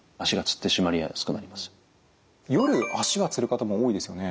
夜足がつる方も多いですよね。